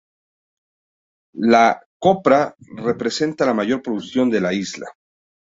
La copra representa la mayor producción de la isla.